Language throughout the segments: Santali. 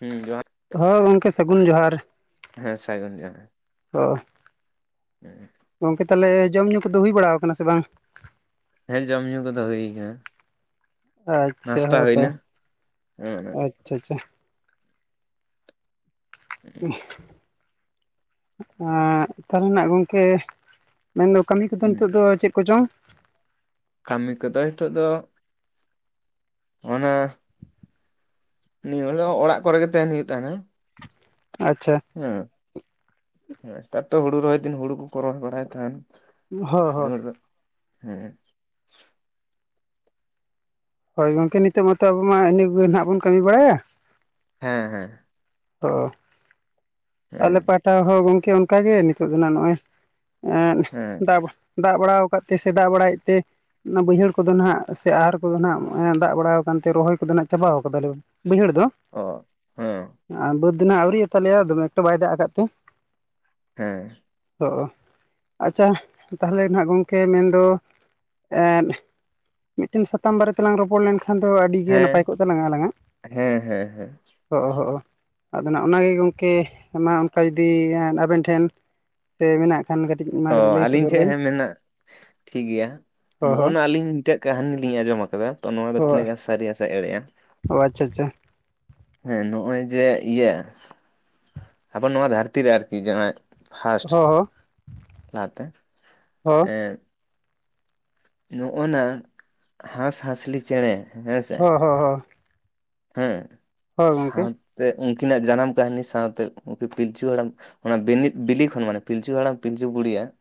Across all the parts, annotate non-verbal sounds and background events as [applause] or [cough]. ᱦᱩᱸ ᱡᱚᱦᱟᱨᱼᱼ ᱦᱳᱭ ᱜᱚᱝᱠᱮ ᱥᱟᱹᱜᱩᱱ ᱡᱚᱦᱟᱨ᱾ ᱦᱮᱸ ᱥᱟᱭᱜᱩᱱ ᱡᱚᱼᱼ ᱚᱻ [inaudible] ᱜᱚᱝᱠᱮ ᱛᱟᱦᱚᱞᱮ ᱡᱚᱢᱧᱩ ᱠᱚᱫᱚ ᱦᱩᱭ ᱵᱟᱲᱟᱣ ᱠᱟᱱᱟ ᱥᱮ ᱵᱟᱝ? ᱦᱮᱸ ᱡᱚᱢ ᱧᱩ ᱠᱚᱫᱚ ᱦᱩᱭ ᱠᱟᱱᱟ᱾ ᱟᱪᱪᱷᱟ ᱱᱟᱥᱛᱟ ᱦᱳ ᱛᱚ ᱦᱩᱭᱱᱟ ᱟᱪᱪᱷᱟ ᱟᱪᱪᱷᱟ᱾ ᱟᱸᱜ ᱛᱟᱦᱚᱞᱮ ᱱᱟᱜ ᱜᱚᱝᱠᱮ ᱢᱮᱱ ᱫᱚ ᱠᱟᱹᱢᱤ ᱠᱚᱫᱚ ᱱᱤᱛᱚᱜ ᱦᱩᱸ ᱫᱚ ᱪᱮᱫ ᱠᱚ ᱪᱚᱝ? ᱠᱟᱹᱢᱤ ᱠᱟᱫᱚ ᱦᱤᱛᱚᱜ ᱫᱚᱼᱼ ᱚᱱᱟ ᱱᱤᱭᱟ ᱵᱮᱲᱟ ᱫᱚ ᱚᱲᱟᱜ ᱠᱚᱨᱮ ᱜᱮ ᱛᱟᱦᱮᱱ ᱦᱩᱭᱩᱜ ᱛᱟᱦᱮᱱᱟ᱾ ᱟᱪᱪᱷᱟ᱾ ᱦᱮᱸ ᱟᱨ ᱛᱚ ᱦᱩᱲᱩ ᱨᱚᱭ ᱫᱤᱱ ᱦᱩᱲᱩ ᱠᱚ ᱠᱚ ᱨᱚᱦᱚᱭ ᱵᱟᱲᱟᱭ ᱛᱟᱦᱮᱱ᱾ ᱦᱚᱸ ᱦᱚᱸ ᱱᱮᱦᱚᱲ ᱫᱚ ᱦᱮᱸᱼᱼ ᱦᱳᱭ ᱜᱚᱝᱠᱮ ᱱᱤᱛᱚᱜ ᱢᱟᱛᱚ ᱟᱵᱚ ᱢᱟ ᱤᱱᱟᱹ ᱠᱚᱜᱮ ᱱᱟᱦᱟᱜ ᱵᱚᱱ ᱠᱟᱹᱢᱤ ᱵᱟᱲᱟᱭᱟ᱾ ᱦᱮᱸ ᱦᱮᱸ᱾ ᱚ ᱦᱮᱸ ᱟᱞᱮ ᱯᱟᱴᱼᱼ ᱴᱟᱣ ᱦᱚᱸ ᱜᱚᱝᱠᱮ ᱚᱱᱠᱟ ᱜᱮ ᱱᱤᱛᱚᱜ ᱫᱚ ᱱᱟᱦᱟᱜ ᱱᱚᱜᱼᱚᱭ ᱮᱸᱼᱼ ᱦᱮᱸ, ᱫᱟᱵᱟ ᱫᱟᱜ ᱵᱟᱲᱟᱣ ᱠᱟᱜ ᱛᱮ ᱥᱮ ᱫᱟᱜ ᱵᱟᱲᱟᱭᱮᱜ ᱛᱮ ᱚᱱᱟ ᱵᱟᱹᱭᱦᱟᱹᱲ ᱠᱚᱫᱚ ᱱᱟᱦᱟᱜ ᱥᱮ ᱟᱨ ᱠᱚᱫᱚ ᱱᱟᱜ ᱾ [inaudible] ᱫᱟᱜ ᱵᱟᱲᱟᱣ ᱠᱟᱱᱛᱮ ᱨᱚᱦᱚᱭ ᱠᱚᱫᱚ ᱱᱟᱜ ᱪᱟᱵᱟᱣ ᱠᱟᱫᱟᱞᱮ ᱵᱟᱹᱭᱦᱟᱹᱲ ᱫᱚ ᱾ ᱚ, ᱦᱮᱸ ᱟᱨ ᱵᱟᱹᱫᱽ ᱫᱚᱱᱟ ᱟᱹᱣᱨᱤ ᱟᱛᱟᱞᱮᱭᱟ ᱫᱚᱢᱮ ᱮᱠᱴᱩ ᱵᱟᱭ ᱫᱟᱜ ᱠᱟᱫ ᱛᱮ᱾ ᱦᱮᱸ, ᱦᱚᱜᱼᱚ ᱟᱪᱪᱷᱟ ᱛᱟᱞᱦᱮ ᱱᱟᱦᱟᱜ ᱜᱚᱝᱠᱮ ᱢᱮᱱᱫᱚ ᱮᱱ ᱢᱤᱫᱴᱮᱱ ᱥᱟᱛᱟᱢ ᱵᱟᱨᱮ ᱛᱮᱞᱟᱝ ᱨᱚᱯᱚᱲ ᱞᱮᱱᱠᱷᱟᱱ ᱠᱷᱟᱱ ᱫᱚ ᱟᱹᱰᱤ ᱜᱮ ᱦᱮᱸ ᱱᱟᱯᱟᱭ ᱠᱚᱜ ᱛᱟᱞᱟᱝᱟ ᱟᱞᱟᱝᱟᱜ ᱦᱮᱸ ᱦᱮᱸ ᱦᱮᱸ ᱦᱚᱸᱜ ᱦᱚᱸᱜ ᱟᱫᱚ ᱱᱟᱜ ᱚᱱᱟᱜᱮ ᱜᱚᱝᱠᱮ ᱢᱟ ᱚᱱᱠᱟ ᱡᱩᱫᱤ ᱟᱵᱮᱱ ᱴᱷᱮᱱ ᱾ ᱛᱮ ᱢᱮᱱᱟᱜ ᱾ ᱠᱷᱟᱱ ᱠᱟᱹᱴᱤᱡ ᱚ ᱟᱹᱞᱤᱧ ᱴᱷᱮᱡ ᱵᱮᱱ ᱦᱮᱸ ᱢᱮᱱᱟᱜ ᱴᱷᱤᱠ ᱜᱮᱭᱟ ᱦᱚᱸ ᱦᱚᱸ ᱱᱚᱜᱼᱱᱟ ᱟᱹᱞᱤᱧ ᱴᱮᱡ ᱠᱟᱹᱦᱱᱤ ᱞᱤᱧ ᱟᱸᱡᱚᱢ ᱟᱠᱟᱫᱟ ᱛᱚ ᱱᱚᱣᱟ ᱫᱚ ᱦᱚᱸ ᱛᱤᱱᱟᱹᱜ ᱜᱟᱱ ᱥᱟᱹᱨᱤ ᱦᱟᱥᱮ ᱮᱲᱮᱼᱟ ᱾ ᱚ ᱟᱪᱪᱷᱟ ᱟᱪᱪᱷᱟ, ᱦᱮᱸ ᱱᱚᱜᱼᱚᱭ ᱡᱮ ᱤᱭᱟᱹ ᱟᱵᱚ ᱱᱚᱣᱟ ᱫᱷᱟᱹᱨᱛᱤ ᱨᱮ ᱟᱨᱠᱤ ᱡᱟᱦᱟᱸᱭ ᱾ ᱯᱷᱟᱥᱴ ᱦᱚᱸ ᱞᱟᱦᱟᱛᱮ ᱦᱚᱸ ᱮᱸ ᱱᱚᱜᱼᱚᱱᱟ ᱦᱟᱸᱥ ᱦᱟᱸᱥᱞᱤ ᱪᱮᱬᱮ ᱦᱮᱸ ᱥᱮ ᱦᱚᱸ ᱦᱚᱸ ᱦᱚᱸ ᱾ ᱦᱮᱸ ᱜᱚᱢᱠᱮ ᱥᱟᱶᱛᱮ ᱩᱱᱠᱤᱱᱟᱜ ᱡᱟᱱᱟᱢ ᱠᱟᱹᱦᱱᱤ ᱥᱟᱶᱛᱮ ᱩᱱᱠᱤᱱ ᱯᱤᱞᱪᱩ ᱦᱟᱲᱟᱢ ᱾ ᱚᱱᱟ ᱵᱤᱱᱤᱛ ᱵᱤᱞᱤ ᱠᱷᱚᱱ ᱢᱟᱱᱮ ᱯᱤᱞᱪᱩ ᱦᱟᱲᱟᱢ ᱯᱤᱞᱪᱩ ᱵᱩᱲᱤᱭᱟ ᱾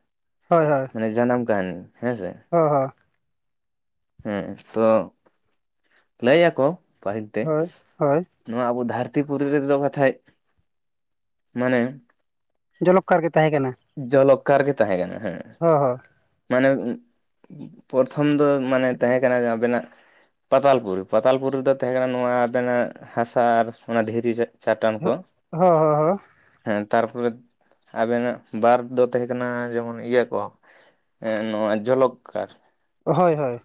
ᱦᱳᱭ ᱦᱳᱭ, ᱢᱟᱱᱮ ᱡᱟᱱᱟᱢ ᱠᱟᱹᱦᱱᱤ ᱦᱮᱸ ᱥᱮ? ᱦᱚᱸ ᱦᱚᱸ, ᱦᱮᱸ ᱛᱚ ᱞᱟᱹᱭ ᱟᱠᱚ ᱯᱟᱹᱦᱤᱞ ᱛᱮ ᱦᱳᱭ ᱦᱳᱭ ᱾ ᱱᱚᱣᱟ ᱟᱵᱚ ᱫᱷᱟᱹᱨᱛᱤ ᱯᱩᱨᱤ ᱨᱮᱫᱚ ᱠᱟᱛᱷᱟᱡ ᱢᱟᱱᱮ ᱡᱚᱞᱚᱠ ᱠᱟᱨ ᱜᱮ ᱛᱟᱦᱮᱸ ᱠᱟᱱᱟ ᱾ ᱡᱚᱞᱚᱠ ᱠᱟᱨ ᱜᱮ ᱛᱟᱦᱮᱸ ᱠᱟᱱᱟ ᱦᱮᱸ ᱾ ᱦᱚᱸ ᱦᱚᱸ ᱾ ᱢᱟᱱᱮ ᱯᱨᱚᱛᱷᱚᱢ ᱫᱚ ᱢᱟᱱᱮ ᱛᱟᱦᱮᱸ ᱠᱟᱱᱟ ᱡᱟᱦᱟ ᱵᱮᱱᱟᱜ ᱯᱟᱛᱟᱞ ᱯᱩᱨᱤ ᱯᱟᱛᱟᱞᱯᱩᱨᱤ ᱨᱮᱫᱚ ᱛᱟᱦᱮᱸ ᱠᱟᱱᱟ ᱱᱚᱣᱟ ᱟᱵᱮᱱᱟᱜ ᱦᱟᱥᱟ ᱟᱨ ᱥᱚᱱᱟ ᱫᱷᱤᱨᱤ ᱨᱮ ᱾ ᱪᱟᱴᱟᱱ ᱠᱚ ᱦᱚᱸ ᱦᱚᱸ ᱦᱚᱸ ᱦᱮᱸ ᱛᱟᱨ ᱯᱚᱨᱮ ᱟᱵᱮᱱᱟᱜ ᱵᱟᱨ ᱫᱚ ᱛᱟᱦᱮᱸ ᱠᱟᱱᱟ ᱡᱮᱢᱚᱱ ᱤᱭᱟᱹ ᱠᱚ ᱱᱚᱣᱟ ᱡᱚᱞᱚᱠᱠᱟᱨ ᱾ ᱦᱳᱭ ᱦᱳᱭ,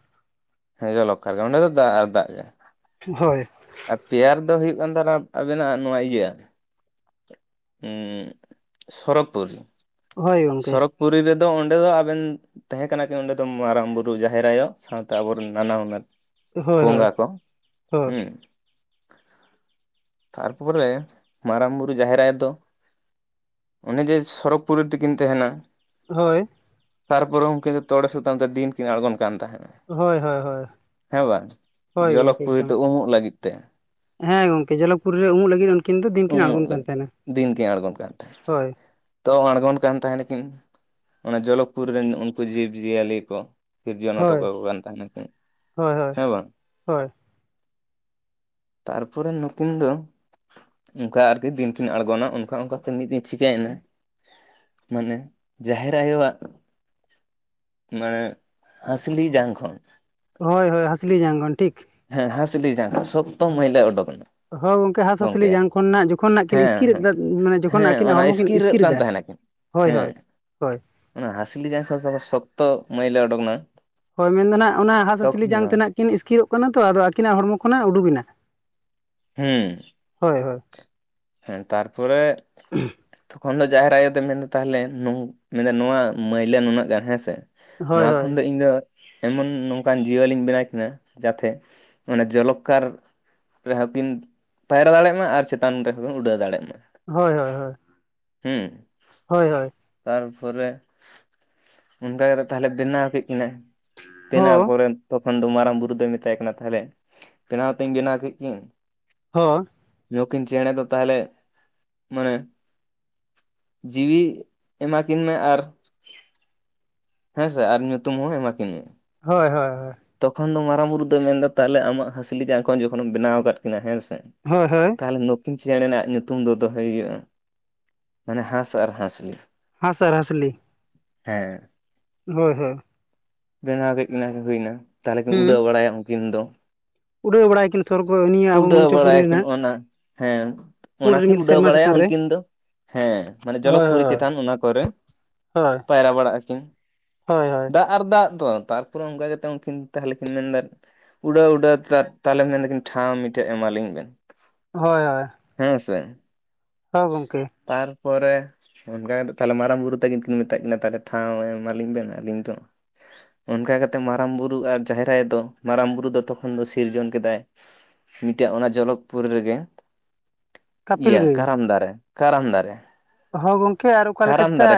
ᱦᱮᱸ ᱡᱚᱞᱚᱠᱠᱟᱨ ᱜᱮ ᱚᱸᱰᱮ ᱫᱚ ᱫᱟᱜ ᱟᱨ ᱫᱟᱜ ᱜᱮ ᱾ ᱦᱳᱭ, ᱟᱨ ᱯᱮᱭᱟᱨ ᱫᱚ ᱦᱩᱭᱩᱜ ᱠᱟᱱ ᱛᱮᱱᱟᱯ ᱟᱵᱮᱱᱟᱜ ᱱᱚᱣᱟ ᱤᱭᱟᱹ ᱾ ᱩᱸᱜ ᱥᱚᱨᱚᱜ ᱯᱩᱨᱤ ᱾ ᱦᱳᱭ ᱜᱚᱢᱠᱮ ᱥᱚᱨᱚᱜ ᱯᱩᱨᱤ ᱨᱮᱫᱚ ᱚᱸᱰᱮ ᱫᱚ ᱟᱵᱮᱱ ᱛᱟᱦᱮᱸ ᱠᱟᱱᱟ ᱠᱤᱱ ᱚᱸᱰᱮ ᱫᱚ ᱢᱟᱨᱟᱝ ᱵᱩᱨᱩ ᱡᱟᱦᱮᱨ ᱟᱭᱳ ᱥᱟᱶᱛᱮ ᱟᱵᱚᱨᱮᱱ ᱱᱟᱱᱟ ᱦᱩᱱᱟᱹᱨ ᱦᱳᱭ ᱦᱳᱭ ᱵᱚᱸᱜᱟ ᱠᱚ ᱦᱳᱭ ᱦᱩᱸ ᱾ ᱛᱟᱨᱯᱚᱨᱮ ᱢᱟᱨᱟᱝ ᱵᱩᱨᱩ ᱡᱟᱦᱮᱨ ᱟᱭᱳ ᱫᱚ ᱾ ᱚᱱᱮ ᱡᱮ ᱥᱚᱲᱚᱠ ᱯᱩᱨᱤ ᱛᱮᱠᱤᱱ ᱛᱮᱦᱮᱱᱟ ᱾ ᱦᱳᱭ, ᱛᱟᱨᱯᱚᱨᱮ ᱩᱱᱠᱤᱱ ᱫᱚ ᱛᱚᱲᱮ ᱥᱩᱛᱟᱢ ᱛᱮ ᱫᱤᱱ ᱠᱤᱱ ᱟᱬᱜᱚᱱ ᱠᱟᱱ ᱛᱟᱦᱮᱸᱱᱟ᱾ ᱦᱳᱭ ᱦᱳᱭ ᱦᱳᱭ ᱦᱮᱸ ᱵᱟᱝ ᱦᱳᱭ ᱡᱚᱞᱚᱠ ᱜᱚᱢᱠᱮ ᱯᱩᱨᱤ ᱮᱠᱫᱚᱢ ᱛᱮ ᱩᱢᱩᱜ ᱞᱟᱹᱜᱤᱫ ᱛᱮ᱾ ᱦᱮᱸ ᱜᱚᱝᱠᱮ ᱡᱚᱞᱚᱠᱯᱩᱨᱤ ᱨᱮ ᱩᱢᱩᱜ ᱞᱟᱹᱜᱤᱫ ᱩᱱᱠᱤᱱ ᱫᱚ ᱫᱤᱱᱠᱤᱱ ᱩᱢᱩᱜ ᱟᱬᱜᱚᱱ ᱠᱟᱱ ᱞᱟᱹᱜᱤᱫ ᱛᱮ ᱛᱟᱦᱮᱸᱱᱟ ᱫᱤᱱ ᱠᱤᱱ ᱟᱬᱜᱚᱱ ᱠᱟᱱ ᱛᱟᱦᱮᱸᱫ ᱦᱳᱭ᱾ ᱛᱚ ᱟᱬᱜᱚᱱ ᱠᱟᱱ ᱛᱟᱦᱮᱸᱱᱟᱠᱤᱱ ᱚᱱᱟ ᱡᱚᱞᱚᱠᱽᱯᱩᱨᱤ ᱨᱮᱱ ᱩᱱᱠᱩ ᱡᱤᱵᱽᱡᱤᱭᱟᱹᱞᱤ ᱠᱚ᱾ ᱥᱤᱨᱡᱚᱱ ᱦᱚᱴᱚ ᱦᱳᱭ ᱠᱟᱠᱚ ᱠᱟᱱ ᱛᱟᱦᱮᱸᱱᱟ ᱠᱤᱱ ᱦᱳᱭ ᱦᱳᱭ ᱦᱮᱸ ᱵᱟᱝ? ᱦᱳᱭ ᱛᱟᱨᱯᱚᱨᱮ ᱱᱩᱠᱤᱱ ᱫᱚ ᱚᱱᱠᱟ ᱟᱨᱠᱤ ᱫᱤᱱ ᱠᱤᱱ ᱟᱬᱜᱚᱱᱟ ᱚᱱᱠᱟ ᱚᱱᱠᱟᱛᱮ ᱢᱤᱫ ᱫᱤᱱ ᱪᱤᱠᱟᱹᱭᱱᱟ, ᱢᱟᱱᱮ ᱡᱟᱦᱮᱨ ᱟᱭᱳᱣᱟᱜ ᱢᱟᱱᱮ ᱦᱟᱸᱥᱞᱤ ᱡᱟᱝ ᱠᱷᱚᱱ ᱦᱳᱭ ᱦᱳᱭ ᱦᱟᱸᱥᱞᱤ ᱡᱟᱝ ᱜᱚᱱ ᱴᱷᱤᱠ ᱾ ᱦᱮᱸ ᱦᱟᱸᱥᱞᱤ ᱡᱟᱸᱜᱟ ᱥᱚᱠᱛᱚ ᱢᱟᱹᱭᱞᱟᱹ ᱳᱰᱳᱠ ᱮᱱᱟ, ᱦᱳ ᱜᱚᱝᱠᱮ ᱦᱟᱸᱥ ᱦᱟᱸᱥᱞᱤ ᱡᱟᱝ ᱠᱷᱚᱱ ᱱᱟᱜ ᱡᱚᱠᱷᱚᱱ ᱱᱟᱜ ᱠᱤᱱ ᱦᱮᱸ ᱤᱥᱠᱤᱨ ᱦᱮᱸ ᱮᱫᱟ ᱢᱟᱱᱮ ᱡᱚᱠᱷᱚᱱ ᱦᱮᱸ ᱟᱹᱠᱤᱱᱟᱜ ᱚᱱᱟ ᱦᱚᱲᱢᱚ ᱠᱤᱱ ᱤᱥᱠᱤᱨᱚᱜ ᱤᱥᱠᱤᱨ ᱠᱟᱱ ᱮᱫᱟ ᱛᱟᱦᱮᱸᱱᱟᱠᱤᱱ ᱦᱳᱭ, ᱦᱮᱸ ᱦᱳᱭ, ᱦᱳᱭ ᱾ ᱚᱱᱟ ᱦᱟᱸᱥᱞᱤ ᱡᱟᱝ ᱠᱷᱚᱱ ᱥᱚᱠᱛᱚ ᱢᱟᱹᱭᱞᱟᱹ ᱚᱰᱚᱠ ᱱᱟ, ᱦᱳᱭ ᱢᱮᱱᱫᱚ ᱱᱟᱸᱜ ᱚᱱᱟ ᱦᱟᱸᱥᱼᱦᱟᱸᱥᱞᱤ ᱡᱟᱝ ᱛᱮᱱᱟᱜ ᱠᱤᱱ ᱤᱥᱠᱤᱨᱚᱜ ᱠᱟᱱᱟ ᱛᱚ ᱟᱫᱚ ᱟᱹᱠᱤᱱᱟᱜ ᱦᱚᱲᱢᱚ ᱠᱷᱚᱱᱟᱜ ᱩᱰᱩᱠ ᱮᱱᱟ᱾ ᱦᱩᱸ ᱾ ᱦᱳᱭ ᱦᱳᱭ᱾ ᱦᱮᱸ ᱛᱟᱨᱯᱚᱨᱮ ᱛᱚᱠᱷᱚᱱ ᱫᱚ ᱡᱟᱦᱮᱨ ᱟᱭᱳ ᱫᱚ ᱢᱮᱱᱫᱟ ᱛᱟᱦᱚᱞᱮ ᱱᱩ ᱢᱮᱱᱫᱟ ᱱᱚᱣᱟ ᱢᱟᱹᱭᱞᱟᱹ ᱱᱩᱱᱟᱹᱜ ᱜᱟᱱ ᱦᱮᱸᱥᱮ, ᱦᱳᱭ ᱱᱚᱣᱟ ᱦᱳᱭ ᱠᱷᱚᱱ ᱫᱚ ᱤᱧ ᱫᱚ ᱮᱢᱚᱱ ᱱᱚᱝᱠᱟᱱ ᱡᱤᱭᱟᱹᱞᱤᱧ ᱵᱮᱱᱟᱣ ᱠᱤᱱᱟ ᱡᱟᱛᱮ ᱚᱱᱟ ᱡᱚᱞᱚᱠᱠᱟᱨ ᱨᱮᱦᱚᱸ ᱠᱤᱱ ᱯᱟᱭᱨᱟ ᱫᱟᱲᱮᱭᱟᱜ ᱢᱟ ᱟᱨ ᱪᱮᱛᱟᱱ ᱨᱮᱦᱚᱸ ᱠᱤᱱ ᱩᱰᱟᱹᱣ ᱫᱟᱲᱮᱭᱟᱜ ᱢᱟ ᱾ ᱦᱳᱭ ᱦᱳᱭ ᱦᱳᱭ᱾ ᱦᱩᱸ ᱾ ᱦᱳᱭ ᱦᱳᱭ᱾ ᱛᱟᱨᱯᱚᱨᱮ ᱚᱱᱠᱟ ᱠᱟᱛᱮ ᱛᱟᱦᱚᱞᱮ ᱵᱮᱱᱟᱣ ᱠᱮᱫ ᱠᱤᱱᱟᱹ ᱾ ᱦᱳ ᱵᱮᱱᱟᱣ ᱯᱚᱨᱮᱱ ᱛᱚᱠᱷᱚᱱ ᱫᱚ ᱢᱟᱨᱟᱝ ᱵᱩᱨᱩ ᱫᱚᱭ ᱢᱮᱛᱟᱭ ᱠᱟᱱᱟ ᱛᱟᱦᱚᱞᱮ, ᱵᱮᱱᱟᱣ ᱛᱚᱧ ᱵᱮᱱᱟᱣ ᱠᱮᱫ ᱠᱤᱱ ᱦᱚᱸ᱾ ᱱᱩᱠᱤᱱ ᱪᱮᱸᱬᱮ ᱫᱚ ᱛᱟᱦᱮᱞᱮ ᱢᱟᱱᱮ ᱡᱤᱣᱤ ᱮᱢᱟᱠᱤᱱ ᱢᱮ ᱟᱨ ᱦᱮᱸᱥᱮ ᱟᱨ ᱧᱩᱛᱩᱢ ᱦᱚᱸ ᱮᱢᱟ ᱠᱤᱱ ᱢᱮ ᱾ ᱦᱳᱭ ᱦᱳᱭ ᱦᱳᱭ ᱾ ᱛᱚᱠᱷᱚᱱ ᱫᱚ ᱢᱟᱨᱟᱝ ᱵᱩᱨᱩ ᱫᱚᱭ ᱢᱮᱱ ᱮᱫᱟ ᱛᱟᱦᱮᱞᱮ, ᱟᱢᱟᱜ ᱦᱟᱸᱥᱞᱤ ᱡᱟᱸᱝ ᱠᱷᱚᱱ ᱡᱚᱠᱷᱚᱱᱮᱢ ᱵᱮᱱᱟᱣ ᱠᱟᱫ ᱠᱤᱱᱟ ᱦᱮᱸ ᱥᱮ ᱦᱳ ᱦᱳ᱾ ᱛᱟᱦᱮᱞᱮ ᱱᱩᱠᱤᱱ ᱪᱮᱸᱬᱮᱱᱟᱜ ᱧᱩᱛᱩᱢ ᱫᱚ ᱫᱚᱦᱚᱭ ᱦᱩᱭᱩᱜᱼᱟ ᱢᱟᱱᱮ - ᱦᱟᱸᱥ ᱟᱨ ᱦᱟᱸᱥᱞᱤ ᱾ ᱦᱟᱸᱥ‌ ᱟᱨ ᱦᱟᱸᱥᱞᱤ? ᱦᱮᱸ᱾ ᱦᱳᱭ ᱦᱳᱭ᱾ ᱵᱮᱱᱟᱣ ᱠᱮᱫ ᱠᱤᱱᱟᱹ ᱦᱩᱭᱱᱟ ᱛᱟᱦᱚᱞᱮ ᱠᱤᱱ ᱩᱰᱟᱹᱣ ᱦᱩᱸ ᱵᱟᱲᱟᱭᱟ ᱩᱱᱠᱤᱱ ᱫᱚ ᱩᱰᱟᱹᱣ ᱵᱟᱲᱟᱭᱟᱠᱤᱱ ᱥᱚᱨᱜᱚ ᱱᱤᱭᱟᱹ ᱾ ᱟᱵᱚ ᱩᱰᱟᱹᱣ ᱵᱟᱲᱟᱭᱟ ᱢᱚᱧᱪᱚᱯᱩᱨᱤ ᱠᱤᱱ ᱨᱮᱱᱟᱜ ᱚᱱᱟ, ᱦᱮᱸ ᱾ ᱯᱩᱸᱰ ᱚᱱᱟᱠᱤ ᱨᱤᱢᱤᱞ ᱩᱰᱟᱹᱣ ᱥᱮᱨᱢᱟ ᱵᱟᱲᱟᱭᱟ ᱪᱮᱛᱟᱱ ᱨᱮ ᱩᱱᱠᱤᱱ ᱫᱚ, ᱦᱮᱸ ᱢᱟᱱᱮ ᱡᱚᱞᱚᱠᱯᱩᱨᱤ ᱦᱳᱭ ᱪᱮᱛᱟᱱ ᱚᱱᱟ ᱠᱚᱨᱮ ᱦᱳᱭ ᱯᱟᱭᱨᱟ ᱵᱟᱲᱟᱜᱼᱟ ᱠᱤᱱ, ᱦᱳᱭ ᱦᱳᱭ ᱫᱟᱜ ᱟᱨ ᱫᱟᱜ ᱫᱚ ᱛᱟᱨᱯᱚᱨᱮ ᱚᱱᱠᱟ ᱠᱟᱛᱮ ᱠᱤᱱ ᱛᱟᱦᱮᱞᱮ ᱠᱤᱱ ᱢᱮᱱᱫᱟ - ᱩᱰᱟᱹᱣᱼᱩᱰᱟᱹᱣ ᱛᱟ ᱛᱟᱦᱮᱞᱮ ᱢᱮᱱᱫᱟ ᱠᱤᱱ ᱴᱷᱟᱶ ᱢᱤᱫᱴᱮᱱ ᱮᱢᱟᱞᱤᱧ ᱵᱮᱱ ᱾ ᱦᱚᱭ ᱾ ᱦᱮᱸ ᱥᱮ ᱦᱚᱸ ᱜᱚᱝ‌ᱠᱮ ᱾ ᱛᱟᱨᱯᱚᱨᱮ ᱚᱱᱠᱟ ᱠᱟᱛᱮ‌ᱜ ᱛᱟᱦᱚᱞᱮ ᱢᱟᱨᱟᱝ ᱵᱩᱨᱩ ᱛᱟᱠᱤᱱ ᱢᱮᱛᱟᱜ ᱠᱤᱱᱟ ᱛᱟᱦᱚᱞᱮ ᱴᱷᱟᱣ ᱮᱢᱟᱞᱤᱧ ᱵᱮᱱ ᱟᱹᱞᱤᱧ ᱫᱚ ᱾ ᱚᱱᱠᱟ ᱠᱟᱛᱮᱜ ᱢᱟᱨᱟᱝ ᱵᱩᱨᱩ ᱟᱨ ᱡᱟᱦᱮᱨ ᱟᱭᱳ ᱫᱚ, ᱢᱟᱨᱟᱝ ᱵᱩᱨᱩ ᱫᱚ ᱛᱚᱠᱷᱚᱱ ᱫᱚ ᱥᱤᱨᱡᱚᱱ ᱠᱮᱫᱟᱭ ᱢᱤᱫᱴᱮᱜ ᱚᱱᱟ ᱡᱚᱞᱚᱠ ᱯᱩᱨᱤ ᱨᱮᱜᱮ ᱤᱭᱟᱹ ᱠᱟᱯᱤᱞ ᱜᱟᱹᱭ ᱠᱟᱨᱟᱢ ᱫᱟᱨᱮ ᱠᱟᱨᱟᱢ ᱫᱟᱨᱮ ᱾ ᱦᱚᱸ ᱜᱚᱝᱠᱮ ᱟᱨ ᱚᱠᱟ ᱞᱮᱠᱟ ᱪᱤᱛᱟ,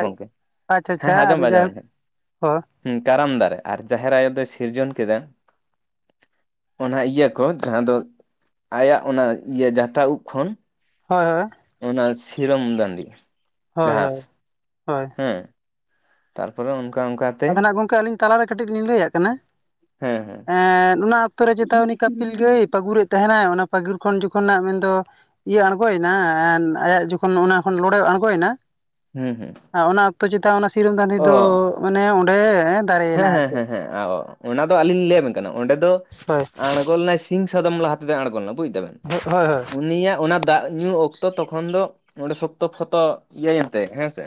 ᱟᱪᱪᱷᱟ ᱦᱮᱸ ᱟᱪᱪᱷᱟ ᱟᱸᱡᱚᱢ ᱟᱫᱚ ᱵᱮᱱ ᱟᱸᱡᱚᱢ ᱡᱟᱭᱦᱳᱠ ᱵᱮᱱ ᱦᱚᱸ᱾ ᱦᱩᱸ ᱠᱟᱨᱟᱢ ᱫᱟᱨᱮ, ᱟᱨ ᱡᱟᱦᱮᱨ ᱟᱭᱳ ᱫᱚᱭ ᱥᱤᱨᱡᱚᱱ ᱠᱮᱫᱟ ᱚᱱᱟ ᱤᱭᱟᱹ ᱠᱚ ᱡᱟᱦᱟᱸ ᱫᱚ ᱟᱭᱟᱜ ᱚᱱᱟ ᱤᱭᱟᱹ ᱡᱟᱴᱟ ᱩᱵ ᱠᱷᱚᱱ ᱦᱳᱭ ᱦᱳᱭ ᱾ ᱚᱱᱟ ᱥᱤᱨᱚᱢ ᱫᱟᱸᱫᱤ ᱾ ᱦᱳᱭ, ᱦᱳᱭ, ᱦᱳᱭ᱾ ᱦᱮᱸ ᱛᱟᱨ ᱯᱚᱨᱮ ᱚᱱᱠᱟ ᱚᱱᱠᱟ ᱟᱫᱚ ᱱᱟᱜ ᱜᱚᱝᱠᱮ ᱟᱹᱞᱤᱧ ᱛᱟᱞᱟ ᱨᱮ ᱠᱟᱹᱴᱤᱡ ᱞᱤᱧ ᱞᱟᱹᱭᱟᱜ ᱠᱟᱱᱟ ᱦᱮᱸ ᱦᱮᱸ ᱾ ᱮᱸᱜ ᱚᱱᱟ ᱚᱠᱛᱚ ᱨᱮ ᱪᱮᱛᱟ ᱩᱱᱤ ᱠᱟᱹᱯᱤᱞ ᱜᱟᱹᱭ ᱯᱟᱹᱜᱩᱨᱮᱫ ᱛᱟᱦᱮᱱᱟᱭ ᱚᱱᱟ ᱯᱟᱹᱜᱩᱨ ᱠᱷᱚᱱ ᱡᱚᱠᱷᱚᱱ ᱱᱟᱜ ᱢᱮᱱᱫᱚ ᱤᱭᱟᱹ ᱟᱲᱜᱚᱭᱱᱟ ᱟᱭᱟᱜ ᱡᱚᱠᱷᱚᱱ [inaudible] ᱱᱚᱣᱟ ᱠᱷᱚᱱ ᱞᱳᱰᱲᱮ ᱟᱲᱜᱚᱭ ᱱᱟ ᱦᱩᱸ ᱦᱩᱸ ᱟ ᱚᱱᱟ ᱚᱠᱛᱚ ᱪᱮᱛᱟ ᱚᱱᱟ ᱥᱤᱨᱚᱢ ᱫᱟᱸᱫᱷᱤ ᱚ ᱫᱚ ᱚᱱᱮ ᱚᱸᱰᱮ ᱦᱮᱸ ᱫᱟᱨᱮᱭᱮᱱᱟ ᱟᱨ ᱦᱮᱸ ᱪᱮᱫ ᱦᱮᱸ ᱦᱮᱸ ᱚᱱᱟ ᱫᱚ ᱟᱹᱞᱤᱧ ᱞᱤᱧ ᱞᱟᱭᱟ ᱵᱮᱱ ᱠᱟᱱᱟ ᱚᱸᱰᱮ ᱫᱚ [unintelligible] ᱟᱲᱜᱚ ᱞᱮᱱᱟᱭ ᱥᱤᱝ ᱥᱟᱫᱚᱢ ᱞᱟᱦᱟ ᱛᱮᱫᱚᱭ ᱟᱲᱜᱚ ᱞᱮᱱᱟ ᱵᱩᱡ ᱫᱟᱵᱮᱱ᱾ [inaudible] ᱦᱳᱭ ᱦᱳᱭ ᱩᱱᱤᱭᱟᱜ ᱚᱱᱟ ᱫᱟᱜ ᱧᱩ ᱚᱠᱛᱚ ᱛᱚᱠᱷᱚᱱ ᱫᱚ ᱚᱸᱰᱮ ᱥᱚᱠᱛᱚ ᱯᱷᱚᱛᱚ ᱤᱭᱟᱹ ᱭᱮᱱ ᱛᱟᱭᱟ ᱦᱮᱸ ᱥᱮ᱾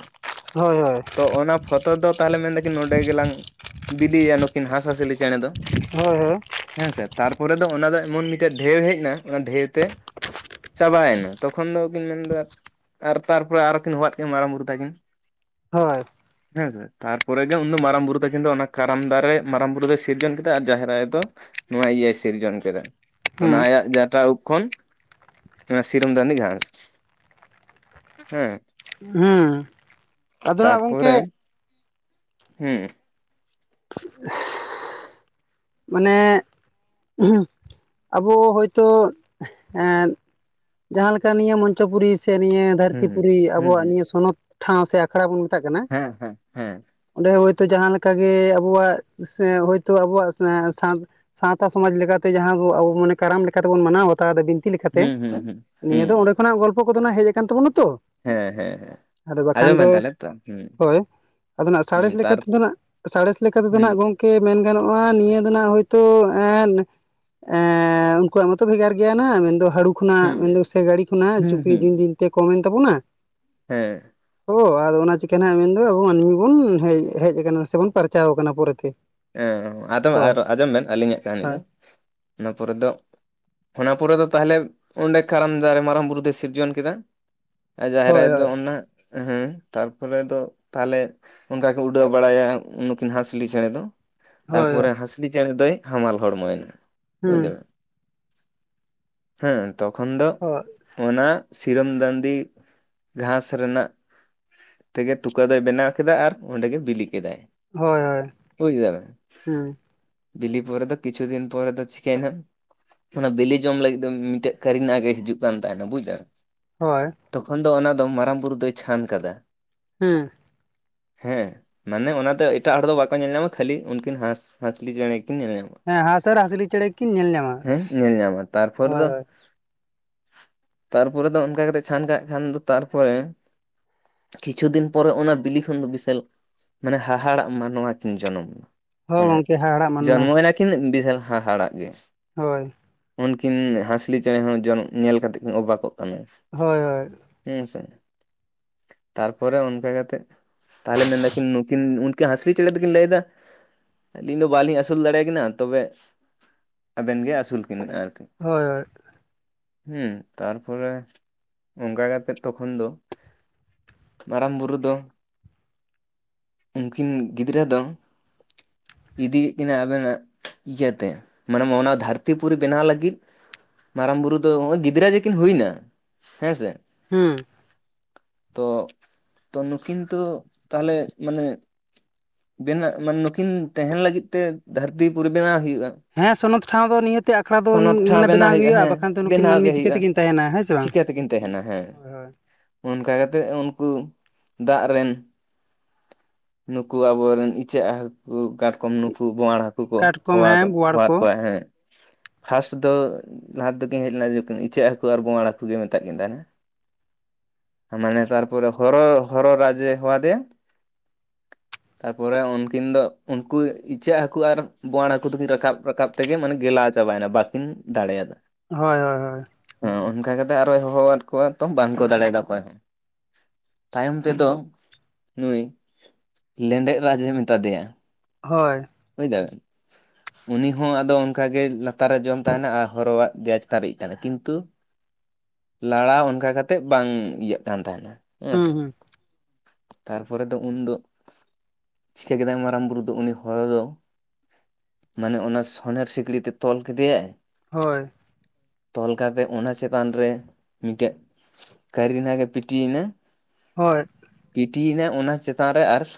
ᱦᱳᱭ ᱦᱳᱭ ᱦᱳᱭ ᱛᱚ ᱚᱱᱟ ᱯᱷᱚᱛᱚ ᱫᱚ ᱛᱟᱦᱚᱞᱮ ᱢᱮᱱ ᱫᱟᱠᱤᱱ ᱱᱚᱸᱰᱮ ᱜᱮᱞᱟᱝ ᱵᱤᱞᱭᱟ ᱱᱩᱠᱤᱱ ᱦᱟᱥ-ᱦᱟᱹᱥᱤᱞᱤ ᱪᱮᱸᱬᱮ ᱫᱚ᱾ ᱦᱳᱭ ᱦᱳᱭ ᱦᱮᱸ ᱥᱮ ᱛᱟᱨᱯᱚᱨᱮ ᱫᱚ ᱚᱱᱟ ᱫᱚ ᱮᱢᱚᱱ ᱢᱤᱴᱮᱜ ᱰᱷᱮᱣ ᱦᱮᱡᱱᱟ ᱚᱱᱟ ᱰᱷᱮᱣ ᱛᱮ ᱪᱟᱵᱟᱭᱮᱱᱟ ᱛᱚᱠᱷᱚᱱ ᱫᱚ ᱠᱤᱱ ᱢᱮᱱᱫᱟ ᱟᱨ ᱛᱟᱨᱯᱚᱨᱮ ᱟᱨᱚ ᱠᱤᱱ ᱦᱚᱦᱟᱫ ᱠᱤᱱᱟ ᱢᱟᱨᱟᱝ ᱵᱩᱨᱩ ᱛᱟᱹᱠᱤᱱ ᱾ ᱦᱳᱭ᱾ ᱦᱮᱸ ᱥᱮ ᱛᱟᱨᱯᱚᱨᱮ ᱜᱮ ᱩᱱ ᱫᱚ ᱢᱟᱨᱟᱝ ᱵᱩᱨᱩ ᱛᱟᱹᱠᱤᱱ ᱫᱚ ᱚᱱᱟ ᱠᱟᱨᱟᱢ ᱫᱟᱨᱮ ᱢᱟᱨᱟᱝ ᱵᱩᱨᱩ ᱫᱚᱭ ᱥᱤᱨᱡᱚᱱ ᱠᱮᱫᱟ ᱟᱨ ᱡᱟᱦᱮᱨ ᱟᱭᱚ ᱫᱚ ᱱᱚᱣᱟ ᱤᱭᱟᱹᱭ ᱥᱤᱨᱡᱚᱱ ᱠᱮᱫᱟ ᱾ ᱚᱱᱟ ᱦᱩᱸ ᱟᱭᱟᱜ ᱡᱟᱴᱟ ᱩᱵ ᱠᱷᱚᱱ ᱚᱱᱟ ᱫᱤᱥᱚᱢ ᱫᱟᱸᱫᱤ ᱜᱷᱟᱸᱥ ᱦᱮᱸ, ᱦᱩᱸ ᱟᱫᱚ ᱱᱟᱜ ᱜᱚᱝᱠᱮ ᱛᱟᱨᱯᱚᱨᱮ ᱦᱩᱸ, [unintelligible] ᱢᱟᱱᱮ [unintelligible] ᱟᱵᱚ ᱦᱳᱭᱛᱳ ᱮᱸᱫ ᱡᱟᱦᱟᱸ ᱞᱮᱠᱟ ᱱᱤᱭᱟᱹ ᱢᱚᱧᱪᱚᱯᱩᱨᱤ ᱥᱮ ᱱᱤᱭᱟᱹ ᱫᱷᱟᱹᱨᱛᱤ ᱦᱩᱸ ᱯᱩᱨᱤ ᱦᱩᱸ ᱟᱵᱚᱣᱟᱜ ᱦᱩᱸ ᱱᱤᱭᱟᱹ ᱥᱚᱱᱚᱛ ᱴᱷᱟᱶ ᱥᱮ ᱟᱠᱷᱲᱟ ᱵᱚᱱ ᱢᱮᱛᱟᱜ ᱠᱟᱱᱟ ᱦᱮᱸ ᱦᱮᱸ ᱦᱮᱸ ᱚᱸᱰᱮ ᱦᱳᱭᱛᱳ ᱡᱟᱦᱟᱸ ᱞᱮᱠᱟ ᱜᱮ ᱟᱵᱚᱣᱟᱜ ᱥᱮ ᱦᱳᱭᱛᱳ ᱟᱵᱚᱣᱟᱜ [inaudible] ᱥᱟᱶᱛᱟ ᱥᱚᱢᱟᱡ ᱞᱮᱠᱟᱛᱮ ᱡᱟᱦᱟᱸᱵᱚ ᱟᱵᱚ ᱢᱟᱱᱮ ᱠᱟᱨᱟᱢ ᱞᱮᱠᱟᱛᱮ ᱵᱚᱱ ᱢᱟᱱᱟᱣ ᱵᱟᱛᱟᱣ ᱫᱟᱵᱤᱱ᱾ ᱛᱤ ᱞᱮᱠᱟᱛᱮ ᱦᱩᱸ ᱦᱩᱸ ᱦᱩᱸ ᱱᱤᱭᱟᱹ ᱦᱩᱸ ᱫᱚ ᱚᱸᱰᱮ ᱠᱷᱚᱱᱟᱜ ᱜᱚᱞᱯᱚ ᱠᱚᱫᱚ ᱱᱟᱜ ᱦᱮᱡ ᱟᱠᱟᱱ ᱛᱟᱵᱚᱱᱟ ᱛᱚ᱾ ᱦᱮᱸ ᱦᱮᱸ ᱦᱮᱸ ᱟᱫᱚ ᱵᱟᱠᱷᱟᱱ ᱫᱚ ᱟᱸᱡᱚᱢᱮᱱ ᱛᱟᱦᱞᱮ ᱛᱚ ᱦᱩᱸ ᱦᱳᱭ ᱟᱫᱚ ᱱᱟᱜ ᱦᱩᱸ ᱥᱟᱬᱮᱸᱥ ᱞᱮᱠᱟ ᱛᱟᱨ ᱛᱮᱫᱚ ᱱᱟᱸᱜ ᱥᱟᱬᱮᱸᱥ ᱞᱮᱠᱟ ᱛᱮᱫᱚ ᱦᱩᱸ ᱱᱟᱸᱜ ᱜᱚᱝ ᱝᱠᱮ ᱢᱮᱱ ᱜᱟᱱᱚᱜ-ᱟ ᱱᱤᱭᱟᱹ ᱫᱚ ᱱᱟᱸᱜ ᱦᱳᱭᱛᱳ ᱮᱸᱱ ᱮᱻ ᱩᱱᱠᱩᱣᱟᱜ ᱢᱟᱛᱚ ᱵᱷᱮᱜᱟᱨ ᱜᱮᱭᱟ ᱱᱟ ᱢᱮᱱᱫᱚ ᱦᱟᱲᱩ ᱠᱷᱚᱱᱟᱜ ᱦᱩᱸ ᱢᱮᱱ ᱫᱚ ᱥᱮ ᱜᱟᱹᱲᱤ ᱠᱷᱚᱱᱟᱜ ᱦᱩᱸ ᱪᱩᱯᱤ ᱦᱩᱸ ᱫᱤᱱ ᱫᱤᱱ ᱛᱮ ᱠᱚᱢ ᱮᱱ ᱛᱟᱵᱚᱱᱟ᱾ ᱦᱮᱸ ᱚᱻ ᱟᱫᱚ ᱚᱱᱟ ᱪᱤᱠᱟᱹ ᱦᱟᱸᱜ ᱢᱮᱱᱫᱚ ᱟᱵ ᱢᱟᱹᱱᱢᱤ ᱵᱚᱱ ᱦᱮᱡ ᱦᱮᱡ ᱟᱠᱟᱱᱟ ᱥᱮ ᱵᱚᱱ ᱯᱟᱨ ᱪᱟᱣ ᱠᱟᱱᱟ ᱯᱚᱨᱮ ᱛᱮ᱾ ᱮ ᱚ ᱟᱫᱚ ᱟᱨ ᱟᱸᱡᱚᱢ ᱵᱮᱱ ᱟᱹᱞᱤᱧᱟᱜ ᱠᱟᱹᱦᱱᱤ ᱫᱚ ᱦᱳᱭ ᱚᱱᱟ ᱯᱚᱨᱮ ᱫᱚ ᱚᱱᱟ ᱯᱚᱨᱮ ᱫᱚ ᱛᱟᱞᱦᱮ ᱚᱸᱰᱮ ᱠᱟᱨᱟᱢ ᱫᱟᱨᱮ ᱢᱟᱨᱟᱝ ᱵᱩᱨᱩ ᱫᱚᱭ ᱥᱤᱨᱡᱚᱱ ᱠᱮᱫᱟ᱾ ᱟ ᱡᱟᱦᱮᱨ ᱦᱳᱭ ᱟᱭᱚ ᱫᱚ ᱦᱳᱭ ᱚᱱᱟ ᱦᱮᱸ ᱛᱟᱨᱯᱚᱨᱮ ᱫᱚ ᱛᱟᱦᱞᱮ ᱚᱝᱠᱟ ᱜᱮ ᱠᱚ ᱩᱰᱟᱹᱣ ᱵᱟᱲᱟᱭᱟ ᱱᱩᱠᱤᱱ ᱦᱟᱸᱥᱞᱤ ᱪᱮᱸᱬᱮ ᱫᱚ᱾ ᱦᱳᱭ ᱛᱟᱨᱯᱚᱨᱮ ᱦᱟᱸᱥᱞᱤ ᱪᱮᱸᱬᱮ ᱫᱚᱭ ᱦᱟᱢᱟᱞ ᱦᱚᱲᱢᱚᱭ ᱱᱟ ᱵᱩᱡ ᱦᱩᱸ ᱫᱟᱵᱮᱱ᱾ ᱦᱮᱸ ᱛᱚᱠᱷᱚᱱ ᱫᱚ ᱦᱳᱭ ᱚᱱᱟ ᱥᱤᱨᱚᱢ ᱫᱟᱸᱱᱫᱤ ᱜᱷᱟᱸᱥ ᱨᱮᱱᱟᱜ ᱛᱮᱜᱮ ᱛᱩᱠᱟᱹ ᱫᱚᱭ ᱵᱮᱱᱟᱣ ᱠᱮᱫᱟ ᱟᱨ ᱚᱸᱰᱮ ᱜᱮ ᱵᱤᱞᱤ ᱠᱮᱫᱟᱭ᱾ ᱦᱚᱭ ᱦᱚᱭ᱾ ᱵᱩᱡ ᱠᱮᱫᱟ ᱵᱮᱱ ᱵᱤᱞᱤ ᱯᱚᱨᱮ ᱫᱚ ᱠᱤᱪᱷᱩ ᱫᱤᱱ ᱯᱚᱨᱮ ᱫᱚ ᱪᱤᱠᱟᱭᱱᱟ ᱚᱱᱟ ᱵᱮᱞᱮ ᱡᱚᱢ ᱞᱟᱹᱜᱤᱫ ᱫᱚ ᱢᱤᱴᱮᱜ ᱠᱟᱹᱨᱤᱱᱟ ᱜᱟᱹᱭ ᱮ ᱦᱤᱡᱩᱜ ᱠᱟᱱ ᱛᱟᱦᱮᱱᱟ ᱵᱩᱡ ᱫᱟ ᱦᱳᱭ ᱾ ᱛᱚᱠᱷᱚᱱ ᱫᱚ ᱚᱱᱟ ᱫᱚ ᱢᱟᱨᱟᱝ ᱵᱩᱨᱩ ᱫᱚᱭ ᱪᱷᱟᱱ ᱠᱟᱫᱟ ᱾ ᱦᱩ ᱦᱮᱸ ᱢᱟᱱᱮ ᱚᱱᱟᱛᱮ ᱮᱴᱟᱜ ᱦᱚᱲᱫᱚ ᱵᱟᱠᱚ ᱧᱮᱞ ᱧᱟᱢᱟ ᱾ ᱠᱷᱟᱹᱞᱤ ᱩᱱᱠᱤᱱ ᱦᱟᱸᱥᱦᱟᱸᱪᱞᱤ ᱪᱮᱬᱮ ᱠᱤᱱ ᱧᱮᱞᱧᱟᱢᱟ ᱦᱮᱸ ᱦᱟᱸᱥ ᱟᱨ ᱦᱟᱸᱥᱞᱤ ᱪᱮᱬᱮ ᱠᱤᱱ ᱧᱮᱞ ᱧᱟᱢᱟ ᱾ ᱦᱮᱸ ᱧᱮᱞ ᱧᱟᱢᱟ ᱛᱟᱨᱯᱚᱨ ᱦᱳᱭ ᱫᱚ ᱦᱳᱭ ᱛᱟᱨᱯᱚᱨᱮ ᱫᱚ ᱚᱱᱠᱟ ᱠᱟᱛᱮᱫ ᱪᱷᱟᱱ ᱠᱟᱜ ᱠᱷᱟᱱ ᱫᱚ ᱛᱟᱨᱯᱚᱨᱮ ᱾ ᱠᱤᱪᱷᱩ ᱫᱤᱱ ᱯᱚᱨᱮ ᱚᱱᱟ ᱵᱤᱞᱤ ᱠᱷᱚᱱ ᱫᱚ ᱵᱤᱥᱟᱞ ᱢᱟᱱᱮ ᱦᱟᱦᱟᱲᱟᱜ ᱢᱟᱱᱚᱣᱟ ᱠᱤᱱ ᱡᱚᱱᱚᱢ ᱾ ᱦᱳᱭ ᱢᱟᱱᱮ ᱜᱚᱝᱠᱮ ᱦᱟᱦᱟᱲᱟᱜ ᱢᱟᱱᱢᱟ ᱡᱚᱱᱢᱚᱭᱮᱱᱟ ᱠᱤᱱ ᱵᱤᱥᱟᱞ ᱦᱟᱦᱟᱲᱟᱜ ᱜᱮ ᱾ ᱦᱳᱭ ᱾ ᱩᱱᱠᱤᱱ ᱦᱟᱸᱥᱞᱤ ᱪᱮᱬᱮ ᱦᱚᱸᱚᱱ ᱧᱮᱞ ᱠᱟᱛᱮᱜ ᱠᱤᱱ ᱚᱵᱠᱚᱜ ᱠᱟᱱᱟ ᱾ ᱦᱳᱭ ᱦᱳᱭ ᱾ ᱦᱮᱸ ᱥᱮ ᱾ ᱛᱟᱨᱯᱚᱨᱮ ᱚᱱᱠᱟ ᱠᱟ ᱠᱟᱛᱮᱫ ᱛᱟᱦᱚᱞᱮ ᱢᱮᱱᱫᱟᱠᱤᱱ ᱱᱩᱠᱤᱱ ᱩᱱᱠᱤᱱ ᱦᱟᱸᱥᱞᱤ ᱪᱮᱬᱮ ᱫᱚᱠᱤᱱ ᱞᱟᱹᱭ ᱮᱫᱟ ᱾ ᱟᱹᱞᱤᱧ ᱫᱚ ᱵᱟᱞᱤᱧ ᱟᱥᱩᱞ ᱫᱟᱲᱮᱭᱟᱠᱤᱱᱟᱹ ᱛᱚᱵᱮ ᱟᱵᱮᱱ ᱜᱮ ᱟᱥᱩᱞ ᱠᱤᱱ ᱢᱮ ᱟᱨᱠᱤ ᱾ ᱦᱳᱭ ᱦᱳᱭ ᱾ ᱦᱸᱩ ᱛᱟᱨᱯᱚᱨᱮ ᱚᱱᱠᱟ ᱠᱟᱛᱮᱜ ᱛᱚᱠᱷᱚᱱ ᱫᱚ ᱾ ᱢᱟᱨᱟᱝ ᱵᱩᱨᱩ ᱫᱚ ᱩᱱᱠᱤᱱ ᱜᱤᱫᱽᱨᱟᱹ ᱫᱚ ᱾ ᱤᱫᱤᱭᱮᱫ ᱠᱤᱱᱟᱹ ᱟᱵᱮᱱᱟᱜ ᱤᱭᱟᱹᱛᱮ ᱢᱟᱱᱮ ᱢᱚᱱᱟ ᱫᱷᱟᱹᱨᱛᱤ ᱯᱩᱨᱤ ᱵᱮᱱᱟᱣ ᱞᱟᱹᱜᱤᱫ ᱾ ᱢᱟᱨᱟᱝ ᱵᱩᱨᱩ ᱫᱚ ᱱᱚᱭ ᱜᱤᱫᱽᱨᱟᱹ ᱡᱮᱠᱤᱱ ᱦᱩᱭ ᱱᱟ ᱦᱮᱸ ᱥᱮ ᱾ ᱦᱩᱸ ᱾ ᱛᱚ ᱛᱚ ᱱᱩᱠᱤᱱᱛᱩ ᱛᱟᱦᱚᱞᱮ ᱢᱟᱱᱮ ᱾ ᱵᱮᱱᱟᱜ ᱢᱟᱱᱮ ᱱᱩᱠᱤᱱ ᱛᱟᱦᱮᱱ ᱞᱟᱹᱜᱤᱫ ᱛᱮ ᱫᱷᱟᱹᱨᱛᱤ ᱯᱚᱨᱤ ᱵᱮᱱᱟᱣ ᱦᱩᱭᱩᱜᱼᱟ ᱾ ᱦᱮᱸ ᱥᱚᱱᱚᱛ ᱴᱷᱟᱶ ᱫᱚ ᱱᱤᱭᱟᱹᱛᱮ ᱟᱠᱷᱲᱟ ᱦᱮᱸ ᱥᱱᱚᱫ ᱴᱷᱟᱸᱣ ᱫᱚ ᱱᱤᱭᱟᱹᱛᱮ ᱟᱠᱷᱲᱟ ᱴᱷᱟᱶ ᱢᱟᱱᱮ ᱵᱮᱱᱟᱣ ᱦᱩᱭᱩᱜᱼᱟ ᱦᱮᱸ ᱵᱟᱠᱷᱟᱱ ᱫᱚ ᱱᱩᱠᱤᱱ ᱵᱮᱱᱟᱣ ᱜᱮ ᱢᱟᱹᱱᱢᱤ ᱪᱤᱠᱟᱹ ᱦᱩᱭᱩᱜᱼᱟ ᱛᱮᱠᱤᱱ ᱛᱟᱦᱮᱱᱟ ᱦᱮᱸ ᱥᱮ ᱵᱟᱝ ᱾ ᱪᱤᱠᱟᱹ ᱛᱮᱠᱤᱱ ᱛᱟᱦᱮᱱᱟ ᱦᱮᱸ ᱚᱱᱠᱟ ᱠᱟᱛᱮᱜ ᱩᱱᱠᱩ ᱫᱟᱜ ᱨᱮᱱ ᱾ ᱱᱩᱠᱩ ᱟᱵᱚᱨᱮᱱ ᱤᱪᱟᱹᱜ ᱦᱟᱹᱠᱩ ᱠᱟᱴᱠᱚᱢ ᱱᱩᱠᱩ ᱵᱚᱸᱣᱟᱸᱬ ᱦᱟᱹᱠᱩ ᱾ ᱠᱩ ᱠᱚ ᱠᱟᱴᱠᱚᱢ ᱦᱚᱣᱟ ᱠᱟᱫ, ᱦᱮᱸ ᱵᱳᱣᱟᱲ ᱦᱚᱣᱟᱫ ᱠᱚ ᱠᱚᱣᱟᱭ ᱦᱮᱸ, ᱯᱷᱟᱥ ᱫᱚ ᱞᱟᱦᱟ ᱫᱚ ᱠᱤᱱ ᱦᱮᱡ ᱞᱮᱱᱟ ᱡᱚᱠᱷᱚᱱ ᱤᱪᱟᱹᱜ ᱦᱟᱹᱠᱩ ᱟᱨ ᱵᱚᱸᱣᱟᱲ ᱦᱟᱹᱩᱜ ᱜᱮ ᱢᱮᱛᱟᱫ ᱠᱤᱱ ᱛᱟᱦᱮᱸᱱᱮ ᱾ ᱢᱟᱱᱮ ᱛᱟᱨᱯᱚᱨ ᱦᱚᱨ ᱦᱚᱨ ᱨᱟᱡᱮ ᱦᱚᱣᱟ ᱫᱮᱭᱟ, ᱛᱟᱨᱯᱚᱨ ᱚᱱ ᱠᱤᱱ ᱫᱚ ᱩᱱᱠᱩ ᱤᱪᱟᱹᱜ ᱦᱟᱠᱩ ᱟᱨ ᱵᱳᱸᱣᱟᱲ ᱦᱟᱠᱩ ᱫᱚᱠᱤᱱ ᱨᱟᱠᱟᱵ ᱨᱟᱠᱟᱵ ᱛᱮᱜᱮ ᱢᱟᱱᱮ ᱜᱮᱞᱟᱣ ᱪᱟᱵᱟᱭᱮᱱᱟ ᱵᱟᱠᱤᱱ ᱫᱟᱲᱮᱭᱟᱫᱟ ᱾ ᱦᱳᱭ ᱦᱳᱭ ᱦᱳᱭ ᱾ ᱦᱚᱸ ᱚᱱᱠᱟ ᱠᱟᱛᱮᱜ ᱟᱨᱚᱭ ᱦᱚᱦᱚᱣᱟᱫ ᱠᱚᱣᱟ ᱛᱚ ᱵᱟᱝᱠᱚ ᱫᱟᱲᱮᱭᱟᱫᱟ ᱚᱠᱚᱭ ᱦᱚᱸ᱾ ᱛᱟᱭᱚᱢ ᱛᱮᱫᱚ, ᱱᱩᱭ, ᱞᱮᱸᱰᱮᱛ ᱨᱟᱡᱽ ᱮ ᱢᱮᱛᱟᱫᱮᱭᱟ ᱾ ᱦᱳᱭ ᱾ ᱵᱩᱡᱷ ᱫᱟᱵᱮᱱ ᱩᱱᱤ ᱦᱚᱸ ᱟᱫᱚ ᱚᱱᱠᱟ ᱜᱮ ᱞᱟᱛᱟᱨ ᱨᱮ ᱡᱚᱢ ᱛᱟᱦᱮᱸᱱᱮ ᱟᱨ ᱦᱚᱨᱚᱣᱟᱜ ᱫᱮᱭᱟ ᱪᱮᱛᱟᱱ ᱨᱮ ᱤᱡᱽ ᱛᱟᱦᱮᱸᱱᱮ ᱠᱤᱱᱛᱩ ᱞᱟᱲᱟᱣ ᱚᱱᱠᱟ ᱠᱟᱛᱮᱜ ᱵᱟᱝ ᱤᱭᱟᱹᱜ ᱠᱟᱱ ᱛᱟᱦᱮᱸᱱᱟ ᱦᱮᱸ ᱥᱮ ᱦᱩᱸ ᱾ ᱦᱩᱸ ᱛᱟᱨᱯᱚᱨᱮ ᱫᱚ ᱩᱱ ᱫᱚ, ᱪᱤᱠᱟᱹ ᱠᱮᱫᱟᱭ ᱢᱟᱨᱟᱝ ᱵᱩᱨᱩ ᱫᱚ ᱩᱱᱤ ᱦᱚᱨᱚ ᱫᱚ, ᱢᱟᱱᱮ ᱚᱱᱟ ᱥᱚᱱᱮᱨ ᱥᱤᱠᱤᱲᱤ ᱛᱮ ᱛᱚᱞ ᱠᱮᱫᱮᱭᱟᱭ, ᱦᱳᱭ ‍‌᱾ ᱛᱚᱞ ᱠᱟᱛᱮᱜ ᱚᱱᱟ ᱪᱮᱛᱟᱱ ᱨᱮ, ᱢᱤᱫᱴᱮᱡ ᱠᱟᱹᱨ ᱱᱟᱜᱷ ᱮ ᱯᱤᱴᱤᱭᱮᱱᱟ, ᱦᱳᱭ ᱾ ᱯᱤᱴᱤᱭᱮᱱᱟᱭ ᱚᱱᱟ ᱪᱮᱛᱟᱱ ᱨᱮ ᱟᱨ